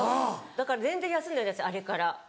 だから全然休んでないですあれから。